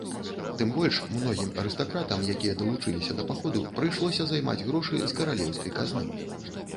Тым больш, многім арыстакратам, якія далучыліся да паходу, прыйшлося займаць грошы з каралеўскай казны.